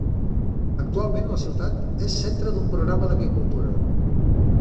Actualment la ciutat és centre d'un programa d'agricultura.